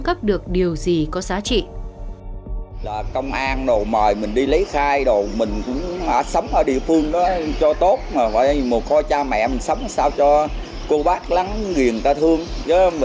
công an mời mình đi lấy khai mình sống sao cho cô bác lắng nghiền ta thương